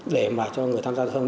để mà cho người tham gia giao thông